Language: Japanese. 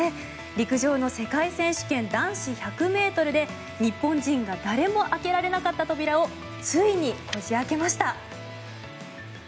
陸上の世界選手権男子１００ｍで日本人が誰も開けられなかった扉をついにこじ開けました。